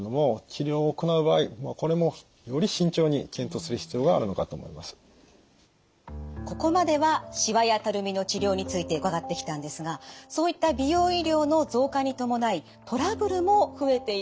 ですのでここまではしわやたるみの治療について伺ってきたんですがそういった美容医療の増加に伴いトラブルも増えているんです。